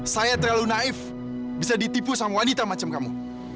saya terlalu naif bisa ditipu sama wanita macam kamu